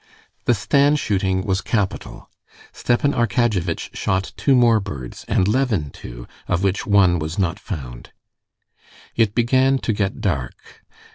The stand shooting was capital. Stepan Arkadyevitch shot two more birds and Levin two, of which one was not found. It began to get dark.